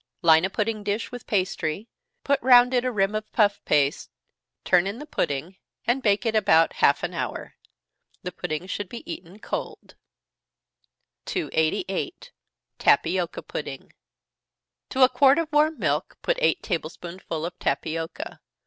Line a pudding dish with pastry, put round it a rim of puff paste, turn in the pudding, and bake it about half an hour. The pudding should be eaten cold. 288. Tapioca Pudding. To a quart of warm milk put eight table spoonsful of tapioca.